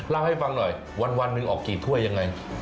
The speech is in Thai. เล่าให้ฟังหน่อยวันหนึ่งออกกี่ถ้วยยังไง